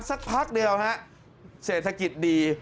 สักพักเดียวฮะเศรษฐกิจดี